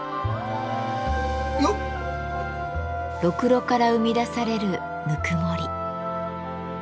ろくろから生み出されるぬくもり。